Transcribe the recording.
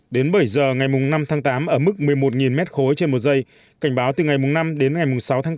đến bảy giờ ngày năm tháng tám ở mức một mươi một m ba trên một giây cảnh báo từ ngày năm đến ngày sáu tháng bốn